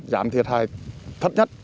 giảm thiệt hại thất nhất